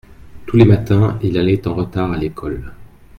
Tous les matins il allait en retard à l’école.